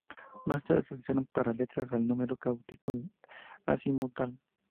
Más tarde se asociaron estas letras al número cuántico azimutal, "l".